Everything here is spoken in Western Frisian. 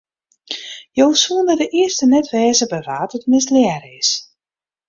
Jo soene de earste net wêze by wa't it mislearre is.